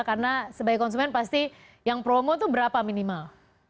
karena sebagai konsumen pasti yang promo itu berapa minimal